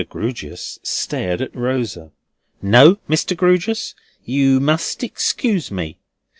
Grewgious stared at Rosa. "No, Mr. Grewgious, you must excuse me.